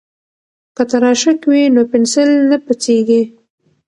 که تراشک وي نو پنسل نه پڅیږي.